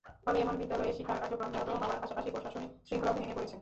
ফলে এসব বিদ্যালয়ে শিক্ষা কার্যক্রম ব্যাহত হওয়ার পাশাপাশি প্রশাসনিক শৃঙ্খলাও ভেঙে পড়েছে।